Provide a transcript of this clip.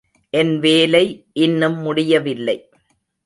என் வேலை இன்னும் முடியவில்லை.